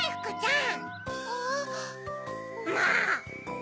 ん！